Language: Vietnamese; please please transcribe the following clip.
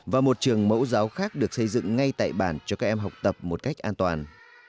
và một trường mẫu giáo khác được xây dựng ngay tại bản cho các em học tập một cách an toàn